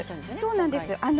そうなんです。